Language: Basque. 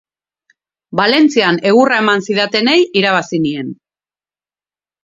Valentzian egurra eman zidatenei irabazi nien.